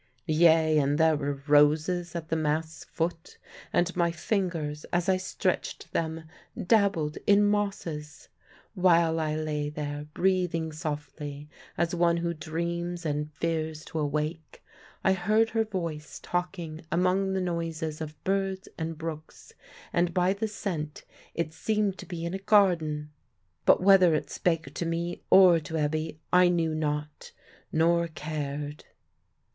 Yea, and there were roses at the mast's foot, and my fingers, as I stretched them, dabbled in mosses. While I lay there, breathing softly, as one who dreams and fears to awake, I heard her voice talking among the noises of birds and brooks, and by the scent it seemed to be in a garden; but whether it spake to me or to Ebbe I knew not, nor cared.